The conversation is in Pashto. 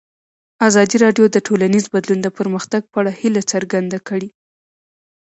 ازادي راډیو د ټولنیز بدلون د پرمختګ په اړه هیله څرګنده کړې.